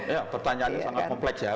ya pertanyaannya sangat kompleks ya